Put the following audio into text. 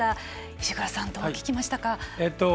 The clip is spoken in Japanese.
石黒さん、どう聞きましたか？